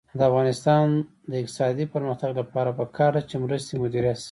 د افغانستان د اقتصادي پرمختګ لپاره پکار ده چې مرستې مدیریت شي.